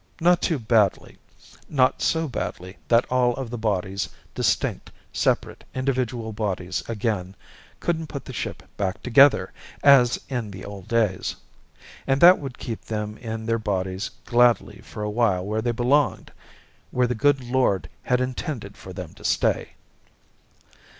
Not too badly. Not so badly that all of the bodies, distinct, separate individual bodies again, couldn't put the ship back together, as in the old days. And that would keep them in their bodies gladly for a while where they belonged! Where the good Lord had intended for them to stay.